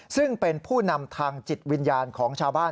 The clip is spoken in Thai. ซึ่งเป็นผู้นำทางจิตวิญญาณของชาวบ้าน